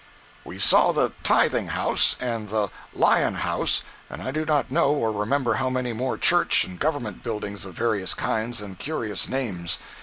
112.jpg (21K) We saw the "Tithing House," and the "Lion House," and I do not know or remember how many more church and government buildings of various kinds and curious names.